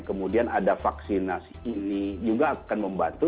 kemudian ada vaksinasi ini juga akan membantu